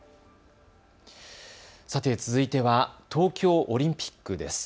さて続いては東京オリンピックです。